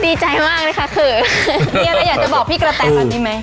ดีใจมากนะคะคือมีอะไรอยากจะบอกพี่กระแตตอนนี้ไหม